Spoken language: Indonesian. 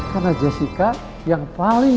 karena jessica yang paling